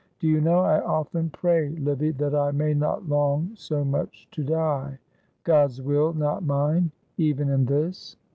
Do you know I often pray, Livy, that I may not long so much to die? God's will, not mine, even in this.'